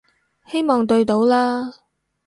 希望對到啦